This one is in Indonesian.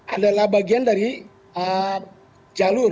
adalah bagian dari jalur sesar palu palkoro